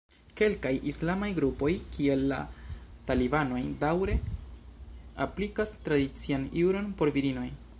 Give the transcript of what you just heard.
Kelkaj islamaj grupoj kiel la talibanoj daŭre aplikas tradician juron por virinoj.